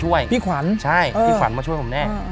ใช่พี่ขวัญมาช่วยผมแน่